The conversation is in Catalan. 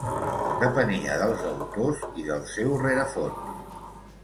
Depenia dels autors i del seu rerefons.